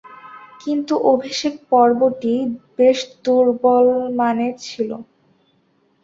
কিন্তু, অভিষেক পর্বটি বেশ দূর্বলমানের ছিল।